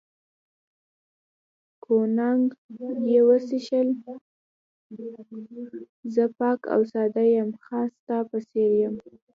کوګناک یې وڅښل، زه پاک او ساده یم، خاص ستا په څېر یم.